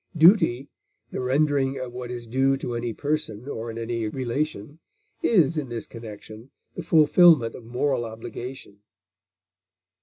Duty, the rendering of what is due to any person or in any relation, is, in this connection, the fulfilment of moral obligation.